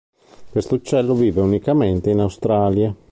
Questo uccello vive unicamente in Australia.